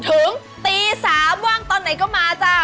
ถึงตี๓ว่างตอนไหนก็มาจ้า